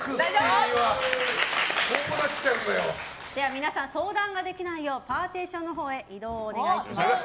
皆さん、相談ができないようパーティションのほうへ移動をお願いします。